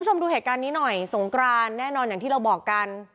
ดูเหตุการณ์นี้หน่อยสงกรานแน่นอนอย่างที่เราบอกกัน